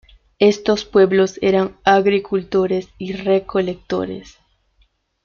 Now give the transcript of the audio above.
Estos pueblos eran agricultores y recolectores.